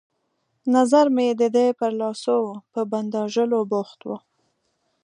نظر مې د ده پر لاسو وو، په بنداژولو بوخت وو.